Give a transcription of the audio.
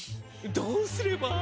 どうすれば？